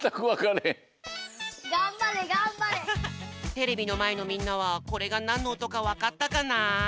テレビのまえのみんなはこれがなんのおとかわかったかな？